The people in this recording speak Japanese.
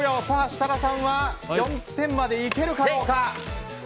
設楽さんは４点までいけるかどうか。